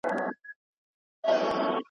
د بېلتون سندري وایم د جانان کیسه کومه `